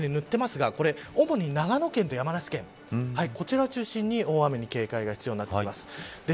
関東甲信は紫に塗ってますが主に、長野県と山梨県こちらを中心に大雨に警戒が必要になっています。